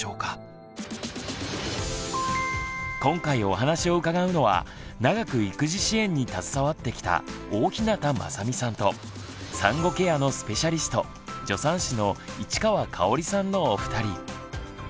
今回お話を伺うのは長く育児支援に携わってきた大日向雅美さんと産後ケアのスペシャリスト助産師の市川香織さんのお二人。